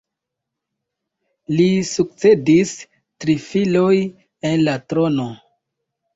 Li sukcedis tri filoj en la trono.